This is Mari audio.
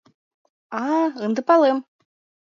А-а-а, ынде палем!